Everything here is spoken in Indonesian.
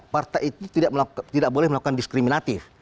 partai itu tidak boleh melakukan diskriminatif